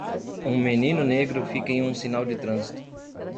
Um menino negro fica em um sinal de trânsito.